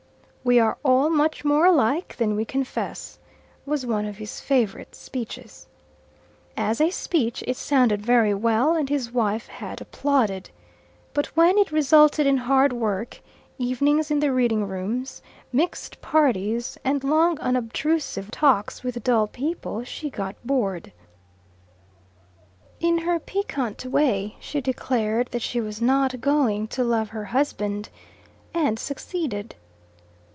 "We are all much more alike than we confess," was one of his favourite speeches. As a speech it sounded very well, and his wife had applauded; but when it resulted in hard work, evenings in the reading rooms, mixed parties, and long unobtrusive talks with dull people, she got bored. In her piquant way she declared that she was not going to love her husband, and succeeded.